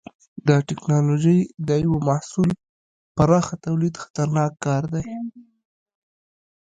د ټېکنالوجۍ د یوه محصول پراخه تولید خطرناک کار دی.